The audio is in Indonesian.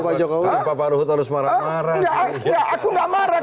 pak ruhut harus marah marah